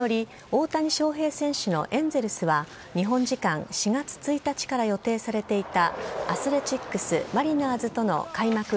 これにより、大谷翔平選手のエンゼルスは、日本時間４月１日から予定されていたアスレチックス、マリナーズとの開幕